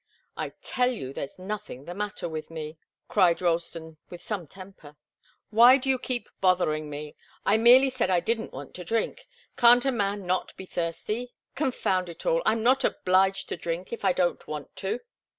"I tell you there's nothing the matter with me!" cried Ralston, with some temper. "Why do you keep bothering me? I merely said I didn't want to drink. Can't a man not be thirsty? Confound it all, I'm not obliged to drink if I don't want to!"